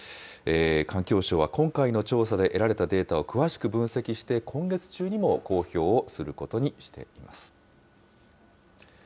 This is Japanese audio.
環境省は今回の調査で得られたデータを詳しく分析して、今月中にも公表することにしています。